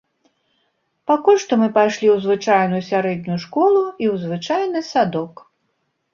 Пакуль што мы пайшлі ў звычайную сярэднюю школу і ў звычайны садок.